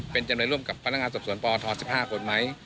เป็นจำนวนร่วมกับพนักงานส่วนพศ๑๕กฎมัย